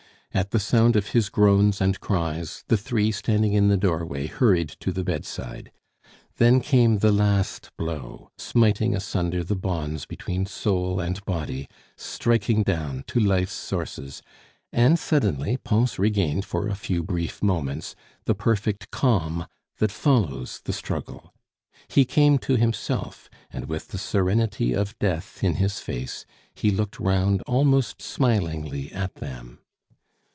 At the sound of his groans and cries, the three standing in the doorway hurried to the bedside. Then came the last blow, smiting asunder the bonds between soul and body, striking down to life's sources; and suddenly Pons regained for a few brief moments the perfect calm that follows the struggle. He came to himself, and with the serenity of death in his face he looked round almost smilingly at them.